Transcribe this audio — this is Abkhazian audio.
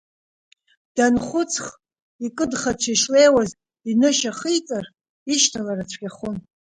Данхәыцх икыдхаҽа ишлеиуаз инышьа хиҵар, ишьҭалара цәгьахон.